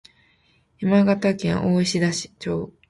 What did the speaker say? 山形県大石田町